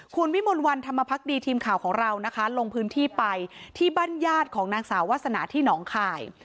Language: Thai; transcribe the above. คุณวิมลวันธรรมพักดีทีมข่าวของเรานะคะลงพื้นที่ไปที่บ้านญาติของนางสาววาสนาที่หนองคาย